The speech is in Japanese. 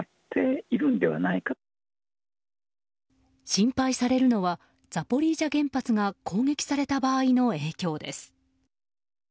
心配されるのはザポリージャ原発が攻撃された場合の影響です。